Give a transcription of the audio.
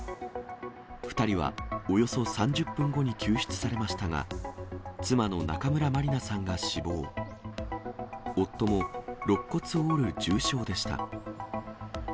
２人はおよそ３０分後に救出されましたが、妻の中村まりなさんが死亡、夫もろっ骨を折る重傷でした。